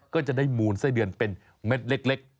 ก็จะได้มูลไส้เดือนเป็นเม็ดเล็ก